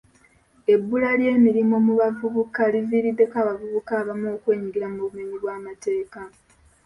Ebbula ly’emirimu mu bavubuka liviriddeko abavubuka abamu okwenyigira mu bumenyi bw’amateeka.